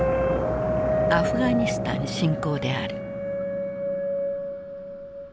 アフガニスタン侵攻である。